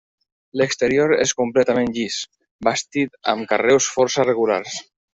L'exterior és completament llis, bastit amb carreus força regulars.